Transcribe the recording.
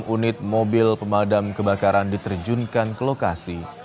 enam unit mobil pemadam kebakaran diterjunkan ke lokasi